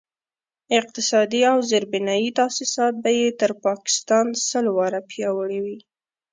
اقتصادي او زیربنایي تاسیسات به یې تر پاکستان سل واره پیاوړي وي.